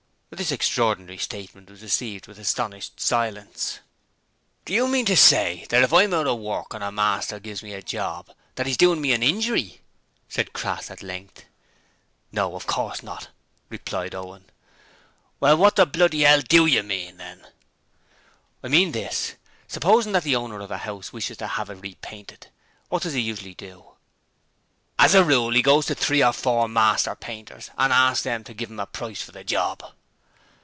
This extraordinary statement was received with astonished silence. 'Do you mean to say that if I'm out of work and a master gives me a job, that 'e's doin' me a injury?' said Crass at length. 'No, of course not,' replied Owen. 'Well, what the bloody 'ell DO yer mean, then?' 'I mean this: supposing that the owner of a house wishes to have it repainted. What does he usually do?' 'As a rule, 'e goes to three or four master painters and asks 'em to give 'im a price for the job.'